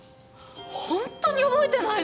ホントに覚えてないの！？